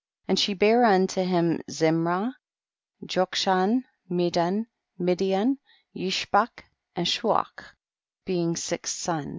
2. And she bare unto him Zim rau, Yokshan, Medan, Midian, Yish bak and Shuach, being six sons.